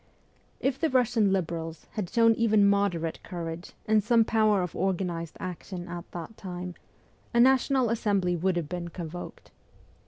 If the Russian Liberals had shown even moderate courage and some power of organized action at that time, a National Assembly would have been con voked.